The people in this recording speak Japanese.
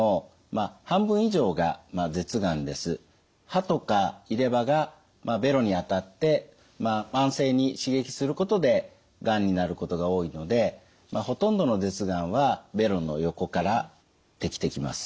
歯とか入れ歯がべろに当たって慢性に刺激することでがんになることが多いのでほとんどの舌がんはべろの横からできてきます。